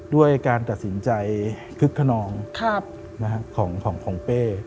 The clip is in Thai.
ด้วยการตัดสินใจคึกขนองของเป้